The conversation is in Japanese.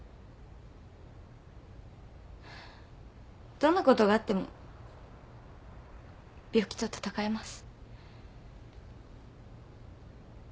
どんなことがあっても病気と闘えます。